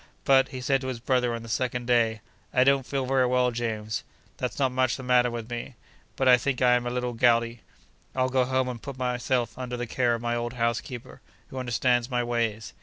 But, he said to his brother on the second day, 'I don't feel very well, James. There's not much the matter with me; but I think I am a little gouty. I'll go home and put myself under the care of my old housekeeper, who understands my ways.